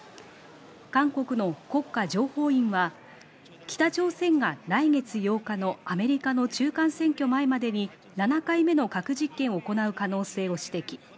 韓国の国家情報院が北朝鮮が来月８日のアメリカの中間選挙前までに、７回目の核実験を行う可能性を指摘。